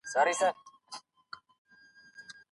د بالاحصار شاوخوا وضعیت ګډوډ شو.